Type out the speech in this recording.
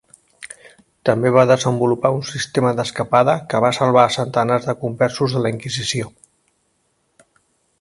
També va desenvolupar un sistema d'escapada que va salvar a centenars de Conversos de la Inquisició.